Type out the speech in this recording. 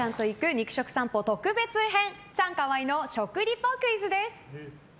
肉食さんぽ特別編チャンカワイの食リポクイズです。